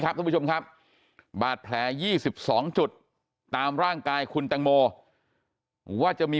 ท่านผู้ชมครับบาดแผล๒๒จุดตามร่างกายคุณตังโมว่าจะมี